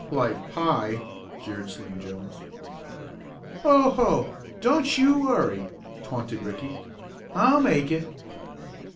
"Like pie!" jeered Slim Jones. "Oh, ho! Don't you worry," taunted Ricky. "I'll make it."